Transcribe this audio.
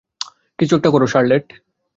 কিছু একটা করো শার্লেট?